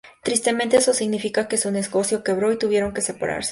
Tristemente, eso significa que su negocio quebró, y tuvieron que separarse.